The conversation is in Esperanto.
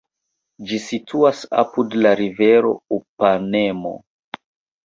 Ĝi situas apud la rivero Upanemo.